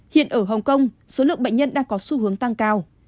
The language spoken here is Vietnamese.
hiện ở hồng kông số lượng bệnh nhân đang có xu hướng tăng cao